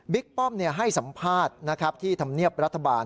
บิ๊กป้อมให้สัมภาษณ์ที่ทำเนียบรัฐบาล